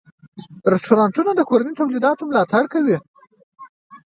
رستورانتونه د کورني تولیداتو ملاتړ کوي.